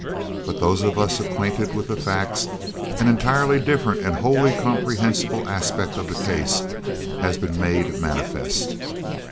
But to those of us acquainted with the facts, an entirely different and wholly comprehensible aspect of the case has been made manifest.